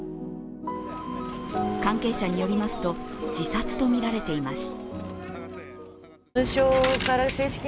関係者によりますと自殺とみられています。